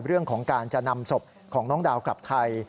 เรื่องของการจะนำศพของน้องดาวกลับไทย